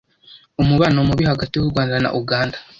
umubano mubi hagati y’u Rwanda na Uganda